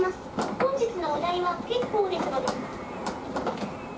本日のお代は結構ですので。